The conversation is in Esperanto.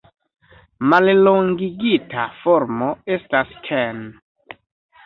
Mallongigita formo estas Ken.